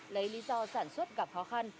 lấy lý do sản xuất gặp khó khăn